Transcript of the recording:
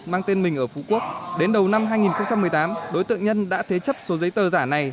mang tên mình ở phú quốc đến đầu năm hai nghìn một mươi tám đối tượng nhân đã thế chấp số giấy tờ giả này